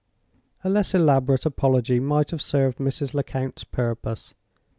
A less elaborate apology might have served Mrs. Lecount's purpose.